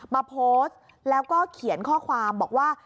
มาโพสต์แล้วก็เขียนข้อความบอกว่า